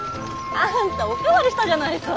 あんたお代わりしたじゃないさ！